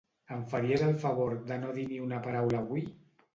Em faries el favor de no dir ni una paraula avui?